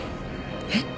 えっ？